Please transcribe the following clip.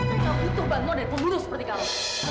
aku butuh bantuan dari pembunuh seperti kamu